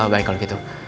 baik kalau gitu